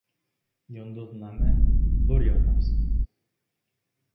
Йондоҙнамәм — ҙур ярҙамсым.